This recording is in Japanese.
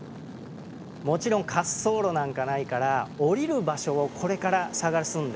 もちろん滑走路なんかないから降りる場所をこれから探すんです。